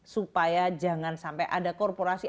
supaya jangan sampai ada korporasi